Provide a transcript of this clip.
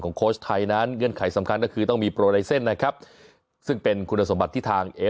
ของโค้ชเป็นนั้นเงื่อนไขสำคัญกับคือต้องมีโปรไลเซนด์นะครับซึ่งเป็นคุณสมบัติทาง